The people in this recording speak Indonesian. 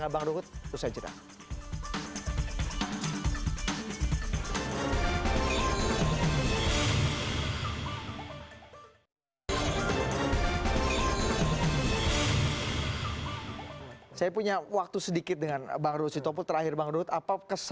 sayang sekali memang waktunya terbatas